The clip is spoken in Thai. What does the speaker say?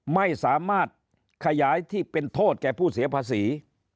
ไม่สามารถขยายที่เป็นโทษแก่ผู้เสียภาษี